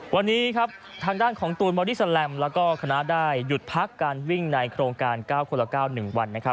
วันนี้ครับทางด้านของตูนบอดี้แลมแล้วก็คณะได้หยุดพักการวิ่งในโครงการ๙คนละ๙๑วัน